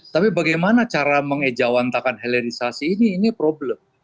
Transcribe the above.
tapi bagaimana cara mengejawantakan helerisasi ini problem